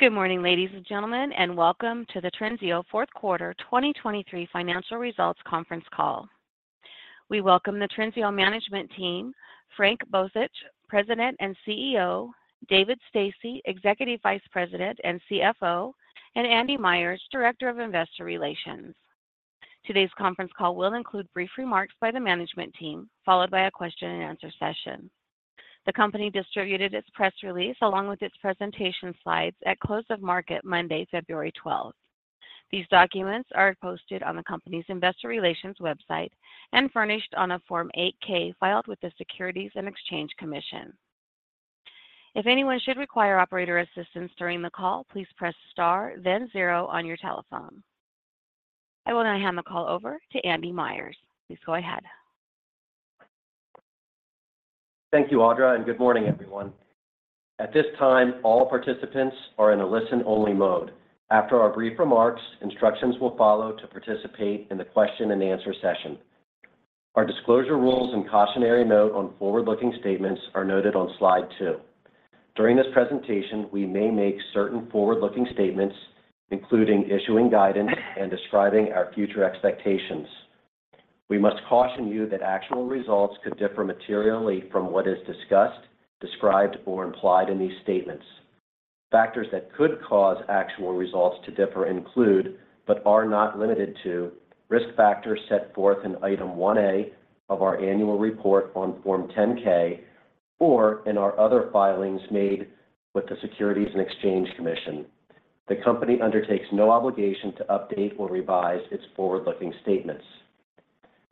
Good morning, ladies and gentlemen, and welcome to the Trinseo fourth quarter 2023 financial results conference call. We welcome the Trinseo Management Team, Frank Bozich, President and CEO, David Stasse, Executive Vice President and CFO, and Andy Myers, Director of Investor Relations. Today's conference call will include brief remarks by the management team, followed by a question-and-answer session. The company distributed its press release along with its presentation slides at close of market Monday, February 12th. These documents are posted on the company's Investor Relations website and furnished on a Form 8-K filed with the Securities and Exchange Commission. If anyone should require operator assistance during the call, please press star, then zero on your telephone. I will now hand the call over to Andy Myers. Please go ahead. Thank you, Audra, and good morning, everyone. At this time, all participants are in a listen-only mode. After our brief remarks, instructions will follow to participate in the question-and-answer session. Our disclosure rules and cautionary note on forward-looking statements are noted on Slide 2. During this presentation, we may make certain forward-looking statements, including issuing guidance and describing our future expectations. We must caution you that actual results could differ materially from what is discussed, described, or implied in these statements. Factors that could cause actual results to differ include, but are not limited to, risk factors set forth in Item 1A of our annual report on Form 10-K or in our other filings made with the Securities and Exchange Commission. The company undertakes no obligation to update or revise its forward-looking statements.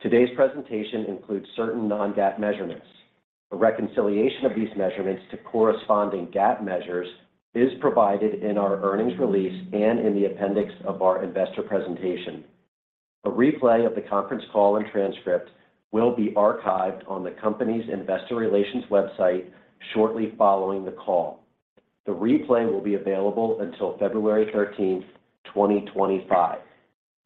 Today's presentation includes certain non-GAAP measurements. A reconciliation of these measurements to corresponding GAAP measures is provided in our earnings release and in the appendix of our investor presentation. A replay of the conference call and transcript will be archived on the company's Investor Relations website shortly following the call. The replay will be available until February 13th, 2025.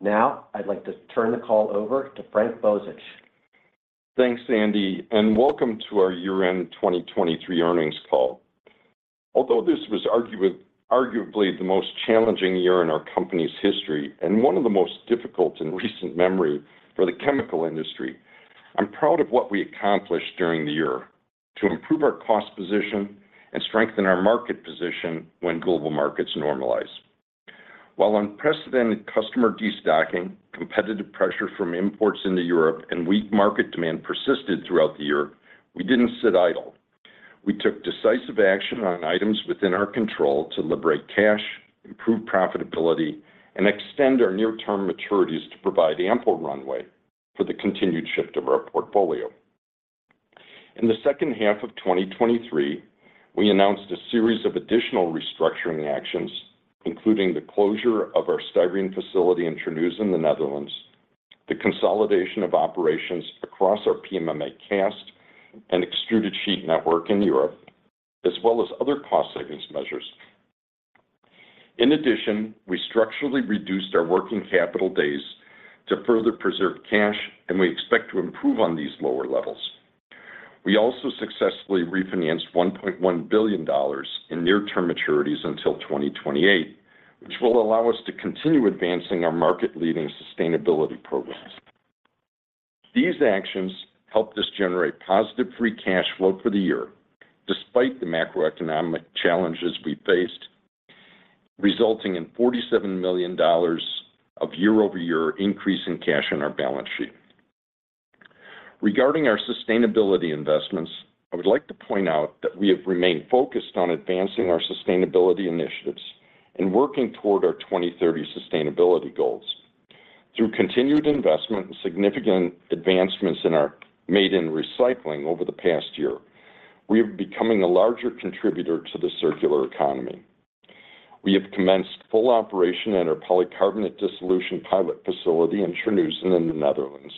Now, I'd like to turn the call over to Frank Bozich. Thanks, Andy, and welcome to our year-end 2023 earnings call. Although this was arguably the most challenging year in our company's history and one of the most difficult in recent memory for the chemical industry, I'm proud of what we accomplished during the year to improve our cost position and strengthen our market position when global markets normalize. While unprecedented customer destocking, competitive pressure from imports into Europe, and weak market demand persisted throughout the year, we didn't sit idle. We took decisive action on items within our control to liberate cash, improve profitability, and extend our near-term maturities to provide ample runway for the continued shift of our portfolio. In the second half of 2023, we announced a series of additional restructuring actions, including the closure of our styrene facility in Terneuzen, the Netherlands, the consolidation of operations across our PMMA cast and extruded sheet network in Europe, as well as other cost-savings measures. In addition, we structurally reduced our working capital days to further preserve cash, and we expect to improve on these lower levels. We also successfully refinanced $1.1 billion in near-term maturities until 2028, which will allow us to continue advancing our market-leading sustainability programs. These actions helped us generate positive free cash flow for the year despite the macroeconomic challenges we faced, resulting in $47 million of year-over-year increase in cash in our balance sheet. Regarding our sustainability investments, I would like to point out that we have remained focused on advancing our sustainability initiatives and working toward our 2030 sustainability goals. Through continued investment and significant advancements in our made-in recycling over the past year, we have become a larger contributor to the circular economy. We have commenced full operation at our polycarbonate dissolution pilot facility in Terneuzen, the Netherlands,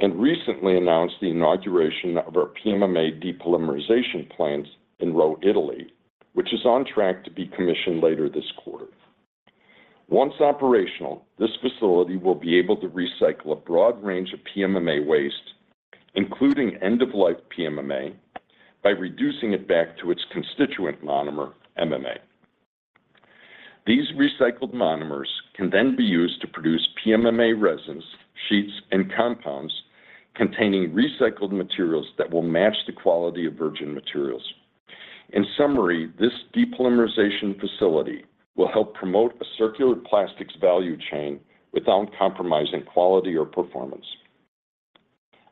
and recently announced the inauguration of our PMMA depolymerization plants in Rho, Italy, which is on track to be commissioned later this quarter. Once operational, this facility will be able to recycle a broad range of PMMA waste, including end-of-life PMMA, by reducing it back to its constituent monomer, MMA. These recycled monomers can then be used to produce PMMA resins, sheets, and compounds containing recycled materials that will match the quality of virgin materials. In summary, this depolymerization facility will help promote a circular plastics value chain without compromising quality or performance.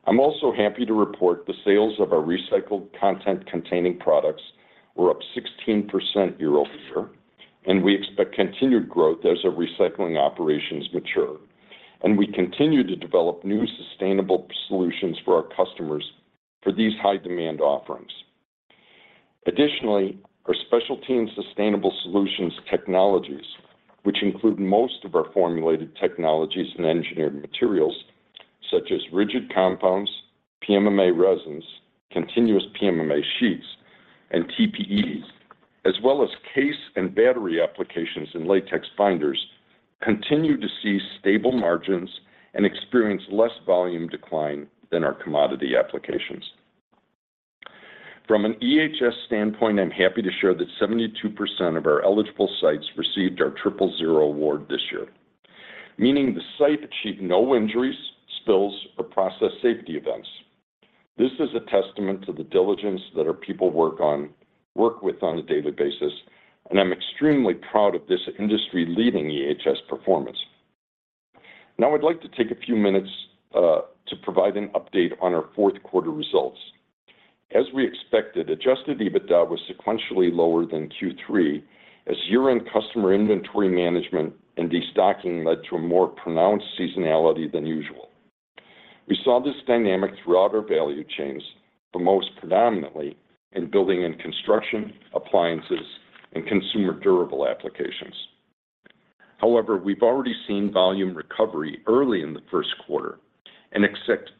I'm also happy to report the sales of our recycled content-containing products were up 16% year-over-year, and we expect continued growth as our recycling operations mature, and we continue to develop new sustainable solutions for our customers for these high-demand offerings. Additionally, our specialty in sustainable solutions technologies, which include most of our formulated technologies and engineered materials such as rigid compounds, PMMA resins, continuous PMMA sheets, and TPEs, as well as CASE and battery applications in latex binders, continue to see stable margins and experience less volume decline than our commodity applications. From an EHS standpoint, I'm happy to share that 72% of our eligible sites received our Triple Zero Award this year, meaning the site achieved no injuries, spills, or process safety events. This is a testament to the diligence that our people work with on a daily basis, and I'm extremely proud of this industry-leading EHS performance. Now, I'd like to take a few minutes to provide an update on our fourth quarter results. As we expected, Adjusted EBITDA was sequentially lower than Q3 as year-end customer inventory management and destocking led to a more pronounced seasonality than usual. We saw this dynamic throughout our value chains, but most predominantly in building and construction appliances and consumer durable applications. However, we've already seen volume recovery early in the first quarter and expect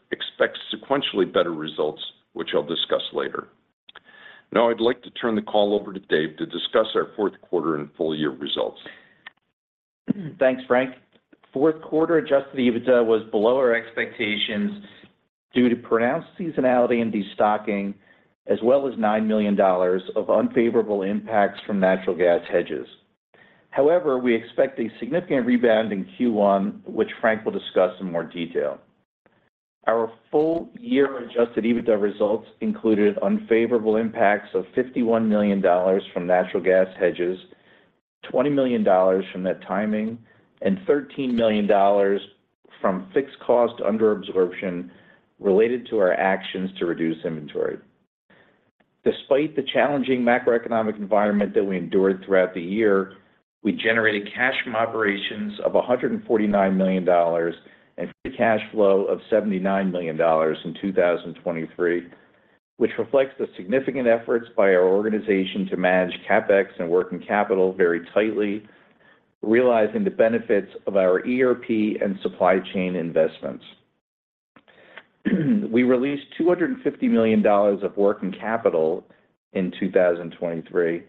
sequentially better results, which I'll discuss later. Now, I'd like to turn the call over to Dave to discuss our fourth quarter and full-year results. Thanks, Frank. Fourth quarter Adjusted EBITDA was below our expectations due to pronounced seasonality in destocking, as well as $9 million of unfavorable impacts from natural gas hedges. However, we expect a significant rebound in Q1, which Frank will discuss in more detail. Our full-year Adjusted EBITDA results included unfavorable impacts of $51 million from natural gas hedges, $20 million from net timing, and $13 million from fixed-cost underabsorption related to our actions to reduce inventory. Despite the challenging macroeconomic environment that we endured throughout the year, we generated cash from operations of $149 million and free cash flow of $79 million in 2023, which reflects the significant efforts by our organization to manage CapEx and working capital very tightly, realizing the benefits of our ERP and supply chain investments. We released $250 million of working capital in 2023,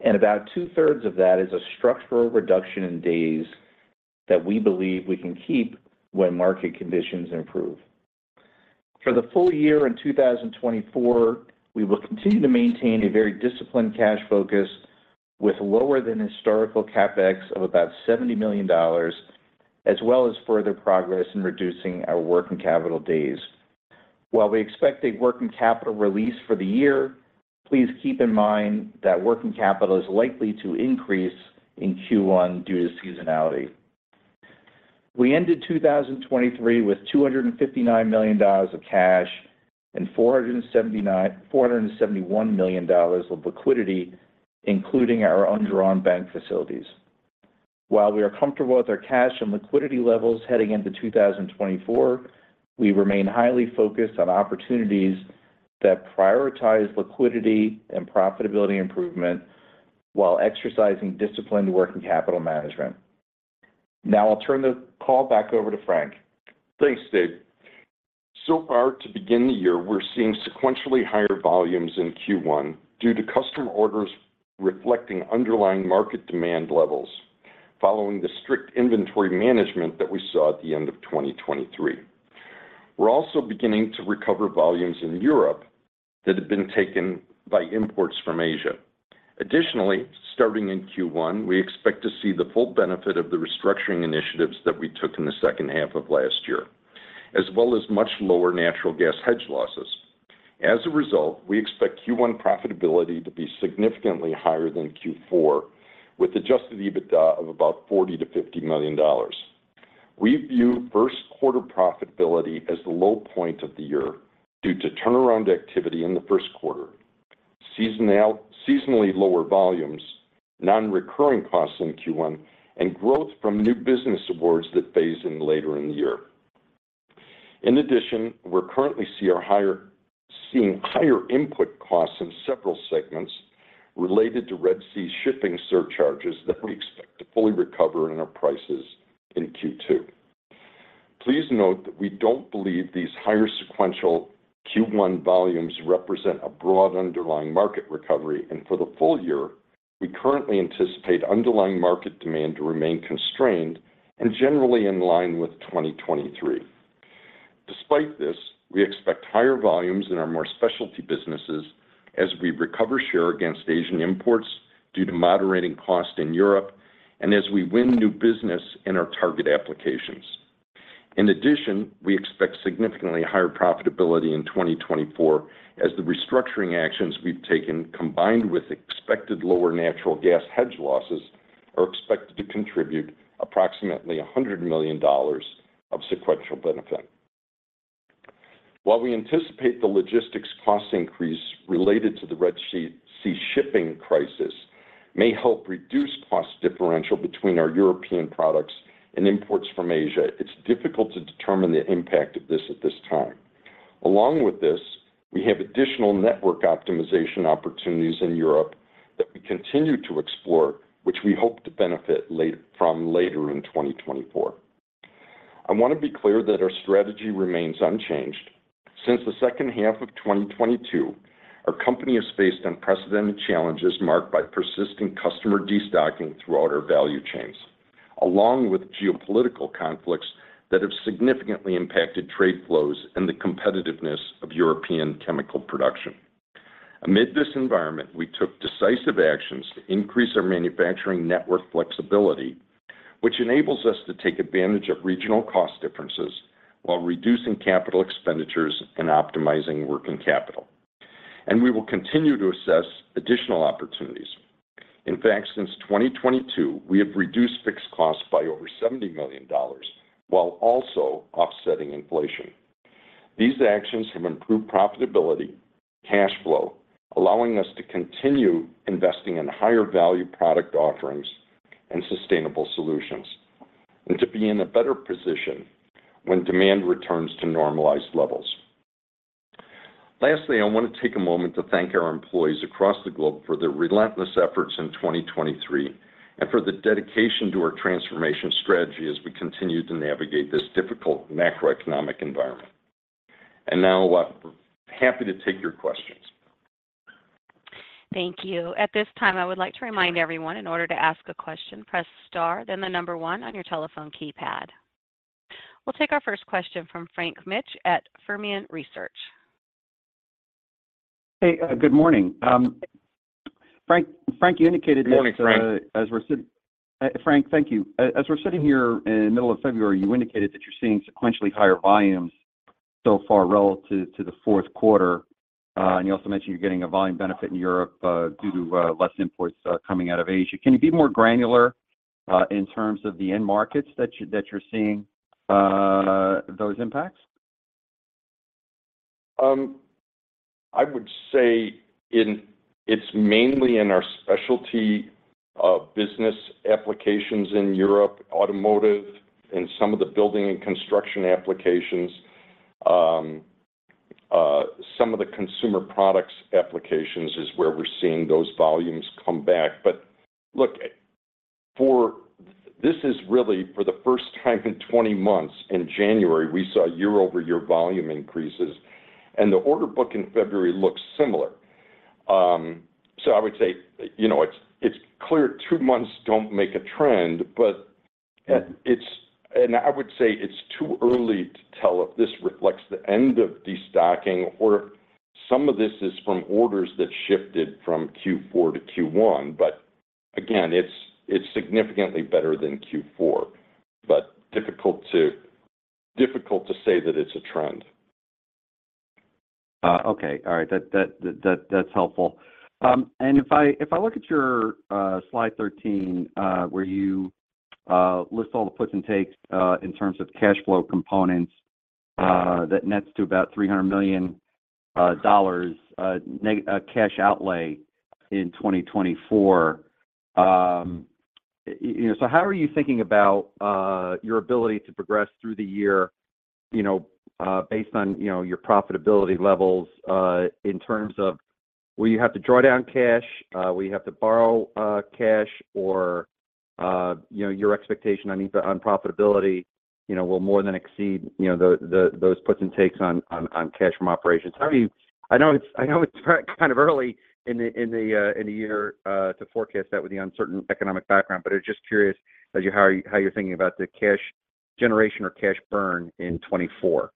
and about 2/3 of that is a structural reduction in days that we believe we can keep when market conditions improve. For the full year in 2024, we will continue to maintain a very disciplined cash focus with lower than historical CapEx of about $70 million, as well as further progress in reducing our working capital days. While we expect a working capital release for the year, please keep in mind that working capital is likely to increase in Q1 due to seasonality. We ended 2023 with $259 million of cash and $471 million of liquidity, including our undrawn bank facilities. While we are comfortable with our cash and liquidity levels heading into 2024, we remain highly focused on opportunities that prioritize liquidity and profitability improvement while exercising disciplined working capital management. Now, I'll turn the call back over to Frank. Thanks, Dave. So far, to begin the year, we're seeing sequentially higher volumes in Q1 due to customer orders reflecting underlying market demand levels following the strict inventory management that we saw at the end of 2023. We're also beginning to recover volumes in Europe that have been taken by imports from Asia. Additionally, starting in Q1, we expect to see the full benefit of the restructuring initiatives that we took in the second half of last year, as well as much lower natural gas hedge losses. As a result, we expect Q1 profitability to be significantly higher than Q4, with Adjusted EBITDA of about $40 million-$50 million. We view first quarter profitability as the low point of the year due to turnaround activity in the first quarter, seasonally lower volumes, non-recurring costs in Q1, and growth from new business awards that phase in later in the year. In addition, we're currently seeing higher input costs in several segments related to Red Sea shipping surcharges that we expect to fully recover in our prices in Q2. Please note that we don't believe these higher sequential Q1 volumes represent a broad underlying market recovery, and for the full year, we currently anticipate underlying market demand to remain constrained and generally in line with 2023. Despite this, we expect higher volumes in our more specialty businesses as we recover share against Asian imports due to moderating cost in Europe and as we win new business in our target applications. In addition, we expect significantly higher profitability in 2024 as the restructuring actions we've taken, combined with expected lower natural gas hedge losses, are expected to contribute approximately $100 million of sequential benefit. While we anticipate the logistics cost increase related to the Red Sea shipping crisis may help reduce cost differential between our European products and imports from Asia, it's difficult to determine the impact of this at this time. Along with this, we have additional network optimization opportunities in Europe that we continue to explore, which we hope to benefit from later in 2024. I want to be clear that our strategy remains unchanged. Since the second half of 2022, our company has faced unprecedented challenges marked by persistent customer destocking throughout our value chains, along with geopolitical conflicts that have significantly impacted trade flows and the competitiveness of European chemical production. Amid this environment, we took decisive actions to increase our manufacturing network flexibility, which enables us to take advantage of regional cost differences while reducing capital expenditures and optimizing working capital. And we will continue to assess additional opportunities. In fact, since 2022, we have reduced fixed costs by over $70 million while also offsetting inflation. These actions have improved profitability, cash flow, allowing us to continue investing in higher-value product offerings and sustainable solutions and to be in a better position when demand returns to normalized levels. Lastly, I want to take a moment to thank our employees across the globe for their relentless efforts in 2023 and for the dedication to our transformation strategy as we continue to navigate this difficult macroeconomic environment. And now, I'm happy to take your questions. Thank you. At this time, I would like to remind everyone, in order to ask a question, press star, then the number one on your telephone keypad. We'll take our first question from Frank Mitsch at Fermium Research. Hey, good morning. Frank indicated that. Good morning, Frank. As we're sitting. Frank, thank you. As we're sitting here in the middle of February, you indicated that you're seeing sequentially higher volumes so far relative to the fourth quarter, and you also mentioned you're getting a volume benefit in Europe due to less imports coming out of Asia. Can you be more granular in terms of the end markets that you're seeing those impacts? I would say it's mainly in our specialty business applications in Europe, automotive, and some of the building and construction applications. Some of the consumer products applications is where we're seeing those volumes come back. But look, this is really for the first time in 20 months. In January, we saw year-over-year volume increases, and the order book in February looks similar. So I would say it's clear two months don't make a trend, but it's, I would say it's too early to tell if this reflects the end of destocking or if some of this is from orders that shifted from Q4 to Q1. But again, it's significantly better than Q4, but difficult to say that it's a trend. Okay. All right. That's helpful. And if I look at your Slide 13, where you list all the puts and takes in terms of cash flow components, that nets to about $300 million cash outlay in 2024. So how are you thinking about your ability to progress through the year based on your profitability levels in terms of will you have to draw down cash, will you have to borrow cash, or your expectation on profitability will more than exceed those puts and takes on cash from operations? I know it's kind of early in the year to forecast that with the uncertain economic background, but I'm just curious how you're thinking about the cash generation or cash burn in 2024.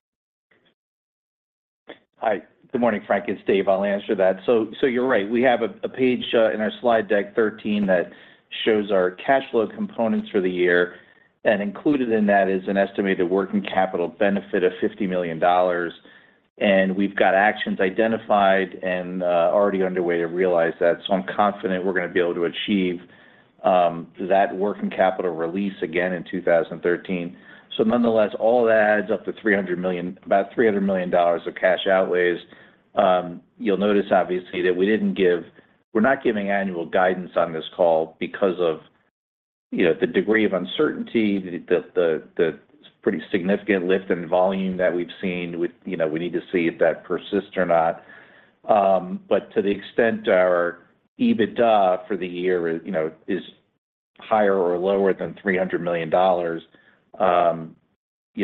Hi. Good morning, Frank. It's Dave. I'll answer that. So you're right. We have a page in our slide deck, page 13, that shows our cash flow components for the year, and included in that is an estimated working capital benefit of $50 million. We've got actions identified and already underway to realize that. So I'm confident we're going to be able to achieve that working capital release again in 2013. So nonetheless, all that adds up to about $300 million of cash outlays. You'll notice, obviously, that we're not giving annual guidance on this call because of the degree of uncertainty, the pretty significant lift in volume that we've seen. We need to see if that persists or not. To the extent our EBITDA for the year is higher or lower than $300 million,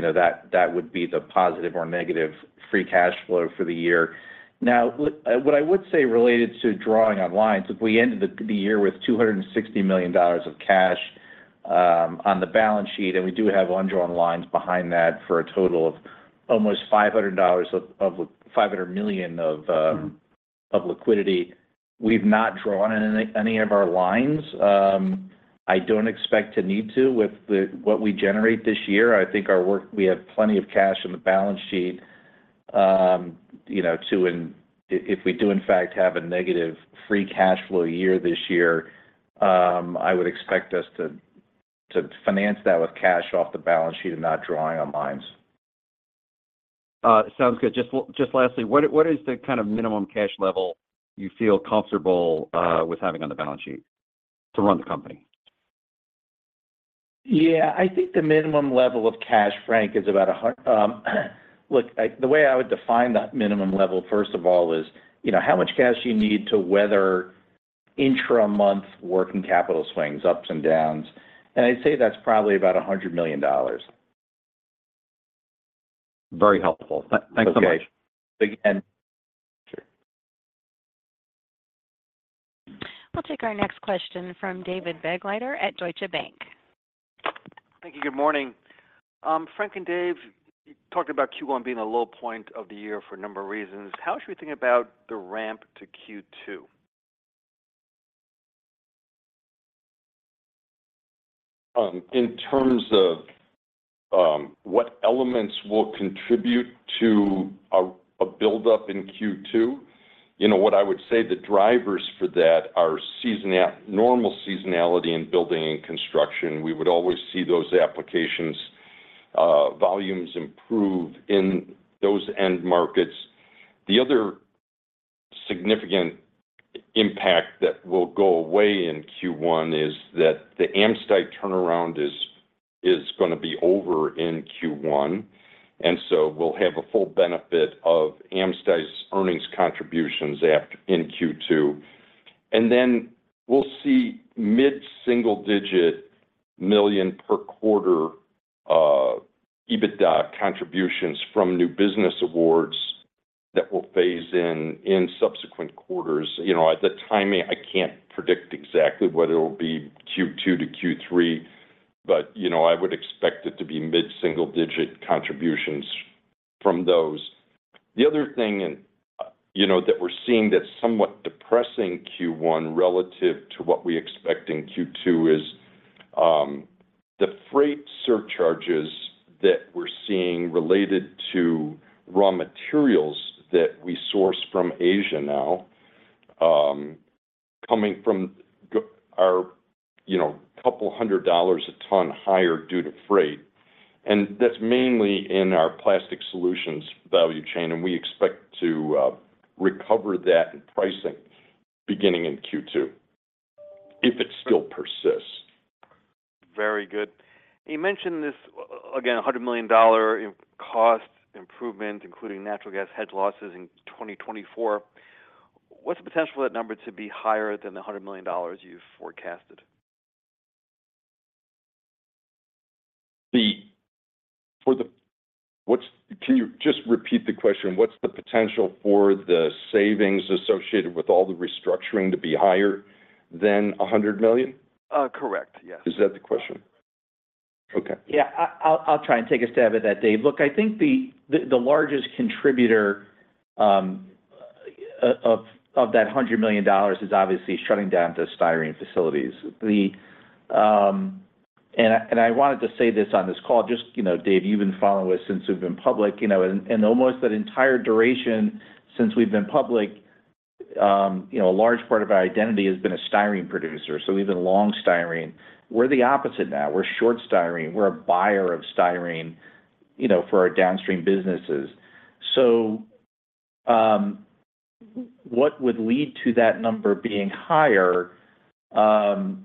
that would be the positive or negative free cash flow for the year. Now, what I would say related to drawing on lines, if we ended the year with $260 million of cash on the balance sheet, and we do have undrawn lines behind that for a total of almost $500 million of liquidity, we've not drawn any of our lines. I don't expect to need to with what we generate this year. I think we have plenty of cash on the balance sheet too. And if we do, in fact, have a negative free cash flow year this year, I would expect us to finance that with cash off the balance sheet and not drawing on lines. Sounds good. Just lastly, what is the kind of minimum cash level you feel comfortable with having on the balance sheet to run the company? Yeah. I think the minimum level of cash, Frank, is about look, the way I would define that minimum level, first of all, is how much cash you need to weather intra-month working capital swings, ups and downs. And I'd say that's probably about $100 million. Very helpful. Thanks so much. Okay. Again. We'll take our next question from David Begleiter at Deutsche Bank. Thank you. Good morning. Frank and Dave, you talked about Q1 being a low point of the year for a number of reasons. How should we think about the ramp to Q2? In terms of what elements will contribute to a buildup in Q2, what I would say the drivers for that are normal seasonality in building and construction. We would always see those applications volumes improve in those end markets. The other significant impact that will go away in Q1 is that the AmSty turnaround is going to be over in Q1. And so we'll have a full benefit of AmSty's earnings contributions in Q2. And then we'll see mid-single-digit million per quarter EBITDA contributions from new business awards that will phase in in subsequent quarters. The timing, I can't predict exactly what it'll be Q2 to Q3, but I would expect it to be mid-single-digit contributions from those. The other thing that we're seeing that's somewhat depressing Q1 relative to what we expect in Q2 is the freight surcharges that we're seeing related to raw materials that we source from Asia now, coming from $200 a ton higher due to freight. That's mainly in our Plastics Solutions value chain, and we expect to recover that in pricing beginning in Q2 if it still persists. Very good. You mentioned this, again, $100 million cost improvement, including natural gas hedge losses in 2024. What's the potential for that number to be higher than the $100 million you've forecasted? Frank, can you just repeat the question? What's the potential for the savings associated with all the restructuring to be higher than $100 million? Correct. Yes. Is that the question? Okay. Yeah. I'll try and take a stab at that, Dave. Look, I think the largest contributor of that $100 million is obviously shutting down the styrene facilities. And I wanted to say this on this call. Just, Dave, you've been following us since we've been public. And almost that entire duration since we've been public, a large part of our identity has been a styrene producer. So we've been long styrene. We're the opposite now. We're short styrene. We're a buyer of styrene for our downstream businesses. So what would lead to that number being higher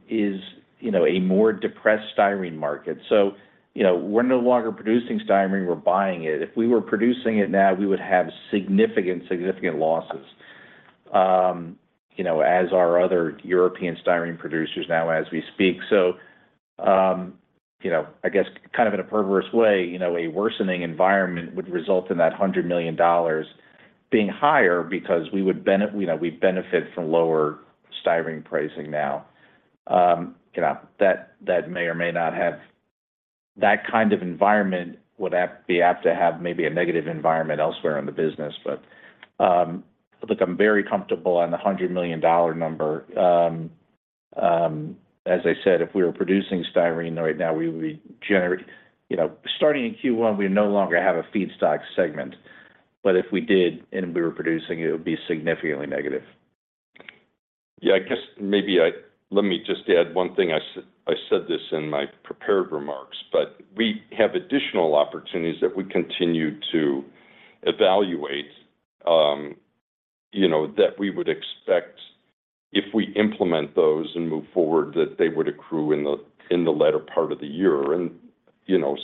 is a more depressed styrene market. So we're no longer producing styrene. We're buying it. If we were producing it now, we would have significant, significant losses as our other European styrene producers now as we speak. So I guess kind of in a perverse way, a worsening environment would result in that $100 million being higher because we would benefit from lower Styrene pricing now. That may or may not have that kind of environment would be apt to have maybe a negative environment elsewhere in the business. But look, I'm very comfortable on the $100 million number. As I said, if we were producing Styrene right now, we would be starting in Q1, we would no longer have a feedstock segment. But if we did and we were producing, it would be significantly negative. Yeah. I guess maybe let me just add one thing. I said this in my prepared remarks, but we have additional opportunities that we continue to evaluate that we would expect if we implement those and move forward, that they would accrue in the latter part of the year. And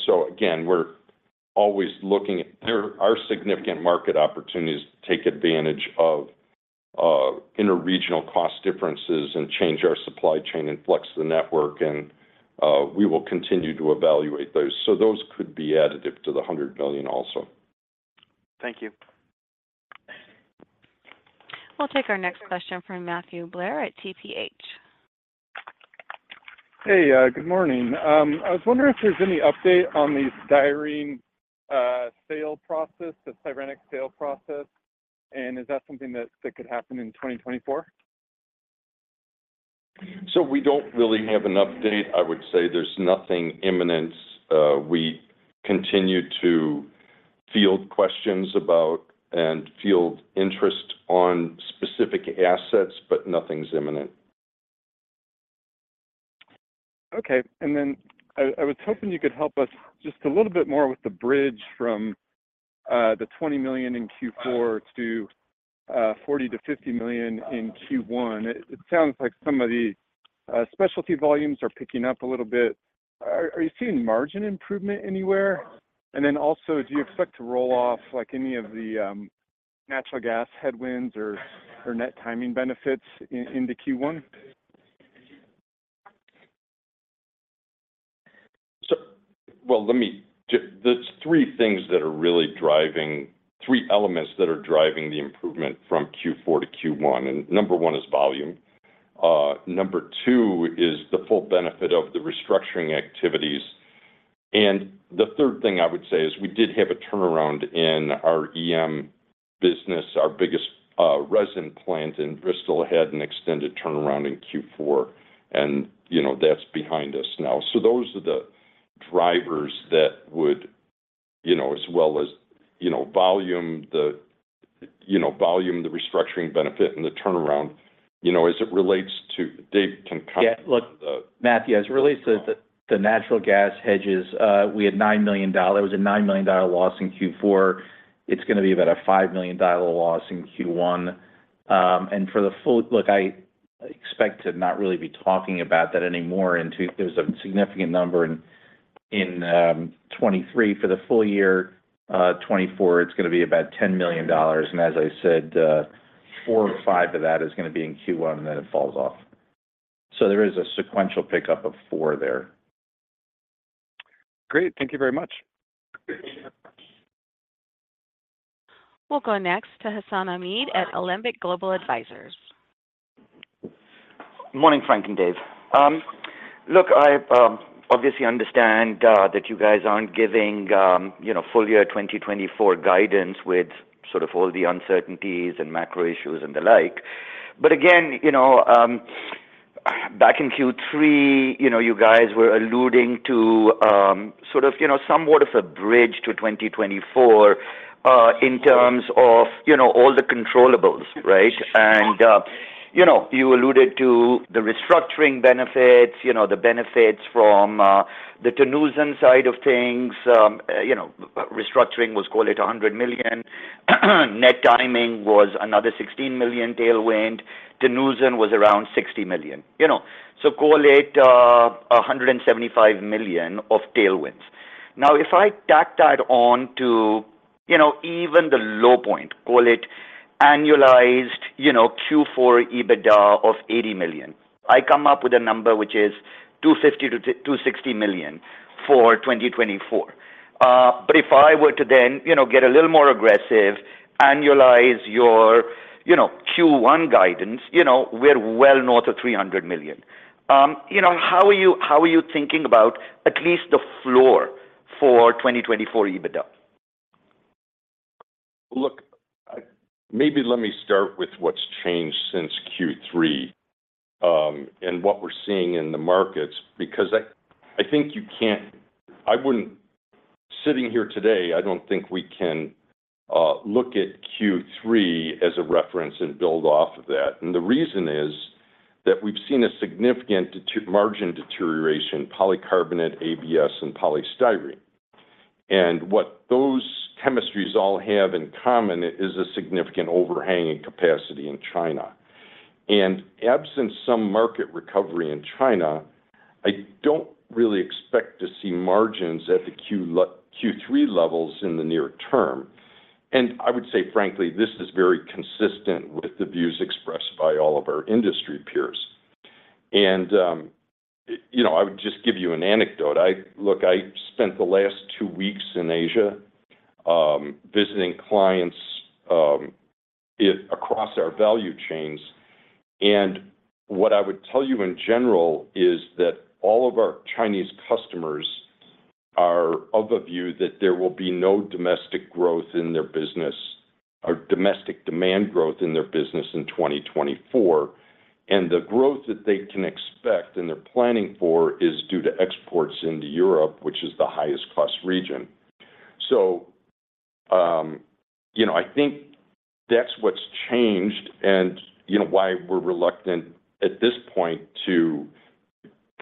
so again, we're always looking at there are significant market opportunities to take advantage of interregional cost differences and change our supply chain and flex the network. And we will continue to evaluate those. So those could be additive to the $100 million also. Thank you. We'll take our next question from Matthew Blair at TPH. Hey. Good morning. I was wondering if there's any update on the styrene sale process, the Styrenics sale process. Is that something that could happen in 2024? We don't really have an update. I would say there's nothing imminent. We continue to field questions about and field interest on specific assets, but nothing's imminent. Okay. And then I was hoping you could help us just a little bit more with the bridge from the $20 million in Q4 to $40 million-$50 million in Q1. It sounds like some of the specialty volumes are picking up a little bit. Are you seeing margin improvement anywhere? And then also, do you expect to roll off any of the natural gas headwinds or net timing benefits into Q1? Well, let me. There's three things that are really driving three elements that are driving the improvement from Q4 to Q1. Number one is volume. Number two is the full benefit of the restructuring activities. The third thing I would say is we did have a turnaround in our EM business, our biggest resin plant, and Bristol had an extended turnaround in Q4. That's behind us now. So those are the drivers that would as well as volume, the volume, the restructuring benefit, and the turnaround, as it relates to Dave can. Yeah. Look, Matthew, as it relates to the natural gas hedges, we had $9 million. It was a $9 million loss in Q4. It's going to be about a $5 million loss in Q1. And for the full look, I expect to not really be talking about that anymore. There's a significant number in 2023. For the full year, 2024, it's going to be about $10 million. And as I said, four or five of that is going to be in Q1, and then it falls off. So there is a sequential pickup of 4 there. Great. Thank you very much. We'll go next to Hassan Ahmed at Alembic Global Advisors. Good morning, Frank and Dave. Look, I obviously understand that you guys aren't giving full year 2024 guidance with sort of all the uncertainties and macro issues and the like. But again, back in Q3, you guys were alluding to sort of somewhat of a bridge to 2024 in terms of all the controllables, right? And you alluded to the restructuring benefits, the benefits from the Terneuzen side of things. Restructuring was, call it, $100 million. Net timing was another $16 million tailwind. Terneuzen was around $60 million. So call it $175 million of tailwinds. Now, if I tack that on to even the low point, call it annualized Q4 EBITDA of $80 million, I come up with a number which is $250 million-$260 million for 2024. But if I were to then get a little more aggressive, annualize your Q1 guidance, we're well north of $300 million. How are you thinking about at least the floor for 2024 EBITDA? Look, maybe let me start with what's changed since Q3 and what we're seeing in the markets because I think I wouldn't be sitting here today. I don't think we can look at Q3 as a reference and build off of that. And the reason is that we've seen a significant margin deterioration, polycarbonate, ABS, and polystyrene. And what those chemistries all have in common is a significant overhanging capacity in China. And absent some market recovery in China, I don't really expect to see margins at the Q3 levels in the near term. And I would say, frankly, this is very consistent with the views expressed by all of our industry peers. And I would just give you an anecdote. Look, I spent the last two weeks in Asia visiting clients across our value chains. What I would tell you in general is that all of our Chinese customers are of a view that there will be no domestic growth in their business or domestic demand growth in their business in 2024. The growth that they can expect and they're planning for is due to exports into Europe, which is the highest-cost region. I think that's what's changed and why we're reluctant at this point to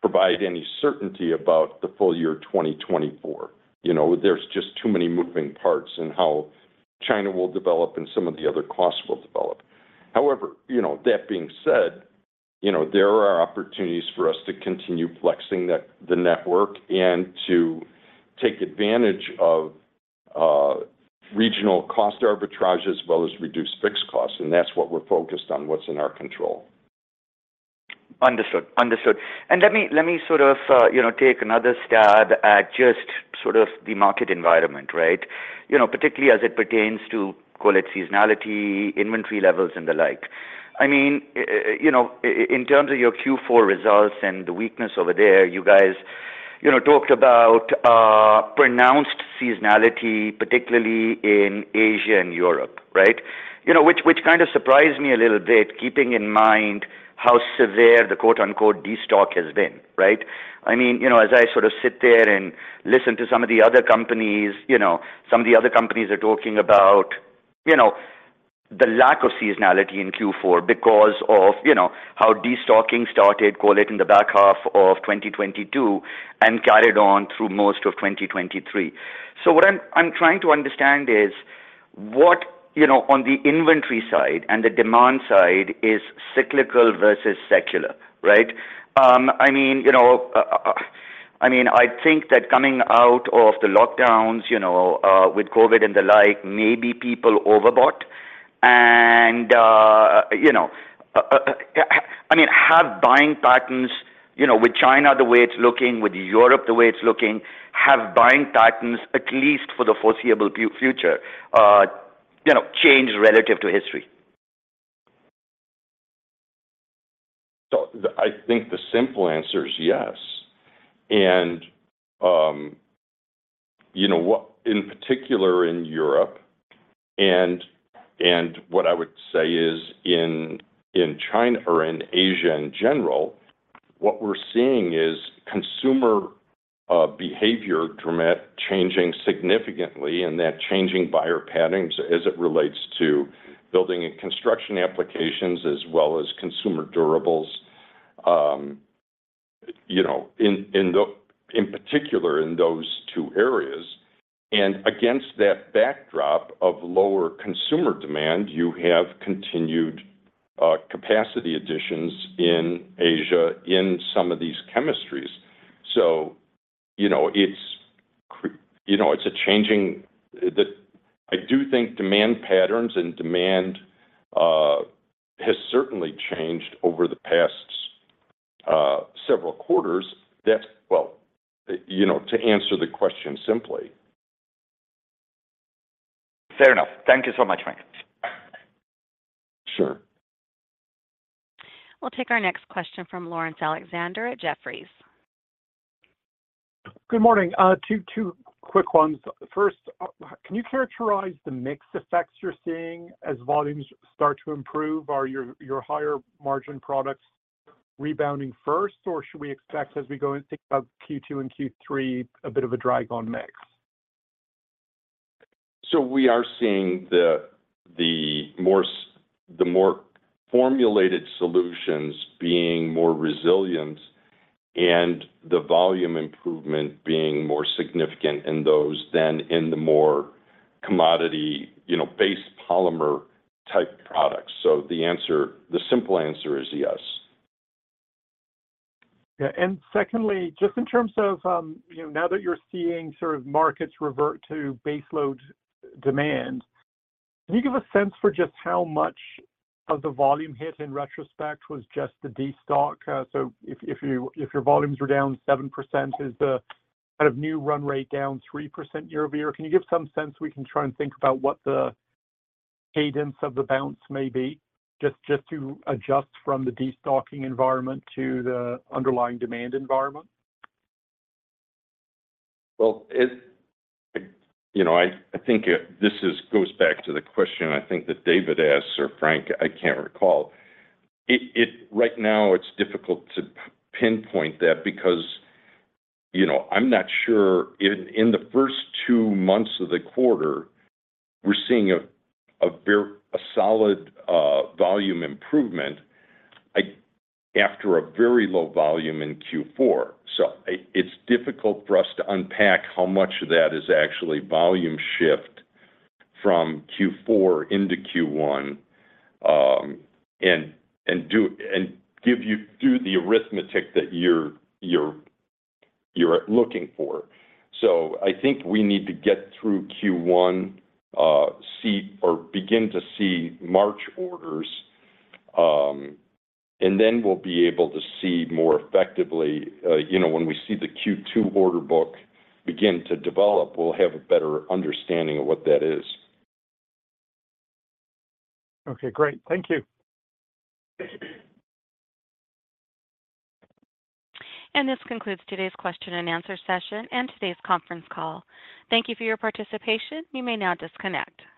provide any certainty about the full year 2024. There's just too many moving parts in how China will develop and some of the other costs will develop. However, that being said, there are opportunities for us to continue flexing the network and to take advantage of regional cost arbitrage as well as reduce fixed costs. That's what we're focused on, what's in our control. Understood. Understood. And let me sort of take another stab at just sort of the market environment, right, particularly as it pertains to, call it, seasonality, inventory levels, and the like. I mean, in terms of your Q4 results and the weakness over there, you guys talked about pronounced seasonality, particularly in Asia and Europe, right, which kind of surprised me a little bit keeping in mind how severe the "destock" has been, right? I mean, as I sort of sit there and listen to some of the other companies, some of the other companies are talking about the lack of seasonality in Q4 because of how destocking started, call it, in the back half of 2022 and carried on through most of 2023. So what I'm trying to understand is what on the inventory side and the demand side is cyclical versus secular, right? I mean, I think that coming out of the lockdowns with COVID and the like, maybe people overbought. I mean, have buying patterns with China the way it's looking, with Europe the way it's looking, have buying patterns at least for the foreseeable future change relative to history? So I think the simple answer is yes. And in particular in Europe, and what I would say is in China or in Asia in general, what we're seeing is consumer behavior changing significantly and that changing buyer patterns as it relates to building and construction applications as well as consumer durables in particular in those two areas. And against that backdrop of lower consumer demand, you have continued capacity additions in Asia in some of these chemistries. So it's a changing, I do think, demand patterns and demand has certainly changed over the past several quarters. Well, to answer the question simply. Fair enough. Thank you so much, Frank. Sure. We'll take our next question from Laurence Alexander at Jefferies. Good morning. Two quick ones. First, can you characterize the mix effects you're seeing as volumes start to improve? Are your higher margin products rebounding first, or should we expect as we go and think about Q2 and Q3, a bit of a drag on mix? We are seeing the more formulated solutions being more resilient and the volume improvement being more significant in those than in the more commodity-based polymer type products. The simple answer is yes. Yeah. And secondly, just in terms of now that you're seeing sort of markets revert to baseload demand, can you give a sense for just how much of the volume hit in retrospect was just the destock? So if your volumes were down 7%, is the kind of new run rate down 3% year-over-year? Can you give some sense? We can try and think about what the cadence of the bounce may be just to adjust from the destocking environment to the underlying demand environment. Well, I think this goes back to the question I think that David asked or Frank. I can't recall. Right now, it's difficult to pinpoint that because I'm not sure in the first two months of the quarter, we're seeing a solid volume improvement after a very low volume in Q4. So it's difficult for us to unpack how much of that is actually volume shift from Q4 into Q1 and do the arithmetic that you're looking for. So I think we need to get through Q1 or begin to see March orders, and then we'll be able to see more effectively when we see the Q2 order book begin to develop. We'll have a better understanding of what that is. Okay. Great. Thank you. This concludes today's question and answer session and today's conference call. Thank you for your participation. You may now disconnect.